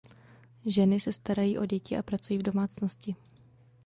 Ženy se starají o děti a pracují v domácnosti.